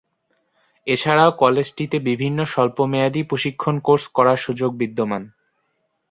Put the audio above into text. এছাড়াও কলেজটিতে বিভিন্ন স্বল্পমেয়াদী প্রশিক্ষণ কোর্স করার সুযোগ বিদ্যমান।